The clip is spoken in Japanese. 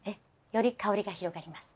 より香りが広がります。